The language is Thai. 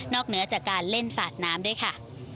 เหนือจากการเล่นสาดน้ำด้วยค่ะ